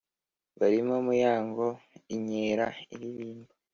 Barimo Muyango Inkera iririmba